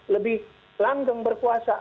lebih langgeng berkuasa